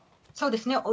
そうですね。